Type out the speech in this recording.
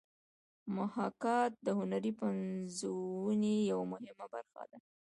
محاکات د هنري پنځونې یوه مهمه برخه ده